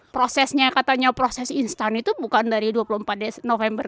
prosesnya katanya proses instan itu bukan dari dua puluh empat november